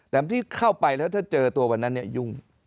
แต่ที่เข้าไปแล้วเจอตัววันนั้นเนี่ยยุ่ง